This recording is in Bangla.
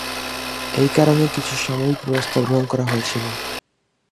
এই কারণে কিছু সাময়িক ব্যবস্থা গ্রহণ করা হয়েছিল।